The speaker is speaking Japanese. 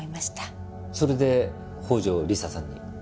それで宝城理沙さんに？